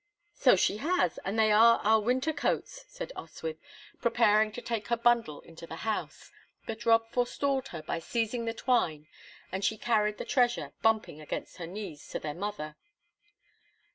"So she has, and they are our winter coats," said Oswyth, preparing to take her bundle into the house, but Rob forestalled her by seizing the twine, and she carried the treasure, bumping against her knees, to their mother.